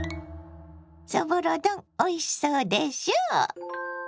そぼろ丼おいしそうでしょう。